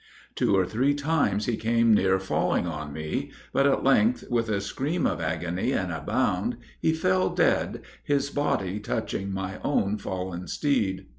Two or three times, he came near falling on me, but at length, with a scream of agony and a bound, he fell dead his body touching my own fallen steed.